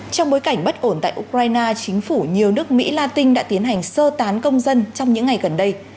trong bối cảnh bất ổn tại ukraine chính phủ nhiều nước mỹ la tinh đã tiến hành sơ tán công dân trong những ngày gần đây